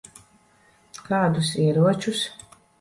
Kādus ieročus?